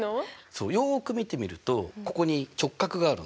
そうよく見てみるとここに直角があるんだよね。